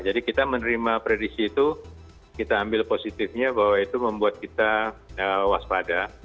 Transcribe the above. jadi kita menerima prediksi itu kita ambil positifnya bahwa itu membuat kita waspada